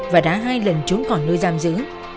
và đã hai lần trốn khỏi nơi giam giữ